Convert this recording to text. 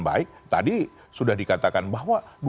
baik tadi sudah dikatakan bahwa